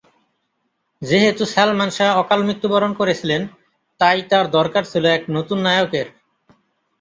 যেহেতু সালমান শাহ অকাল মৃত্যুবরণ করেছিলেন, তাই তার দরকার ছিল এক নতুন নায়কের।